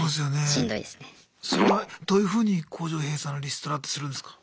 それはどういうふうに工場閉鎖のリストラってするんですか？